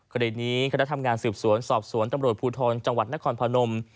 คดีนี้คณะทำงานสืบสวนสอบสวนตำรวจภูทรจังหวัดนครพนม